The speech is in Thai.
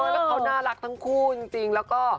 แล้วเขาน่ารักทั้งคู่จริงแล้วก็